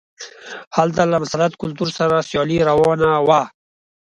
هلته له مسلط کلتور سره سیالي روانه وه.